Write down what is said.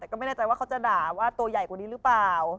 แต่ก็ไม่แน่ใจว่าเขาจะด่าว่าตัวใหญ่กว่านี้หรือเปล่า